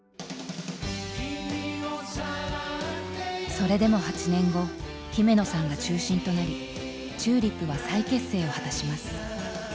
それでも８年後姫野さんが中心となりＴＵＬＩＰは再結成を果たします。